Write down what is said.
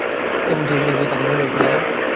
সে এমন কি করেছে যে তাকে মেরেই ফেললা?